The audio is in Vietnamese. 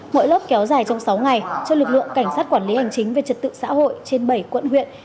mỗi lớp kéo dài trong sáu ngày cho lực lượng cảnh sát quản lý hành chính về trật tự xã hội trên bảy quận huyện